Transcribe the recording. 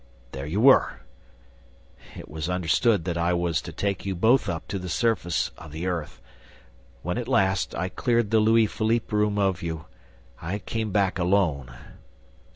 ... There you were! ... It was understood that I was to take you both up to the surface of the earth. When, at last, I cleared the Louis Philippe room of you, I came back alone